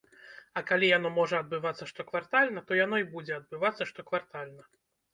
А калі яно можа адбывацца штоквартальна, то яно і будзе адбывацца штоквартальна.